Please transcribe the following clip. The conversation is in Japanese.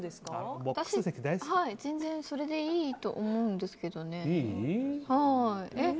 私は、全然それでいいと思うんですけどね。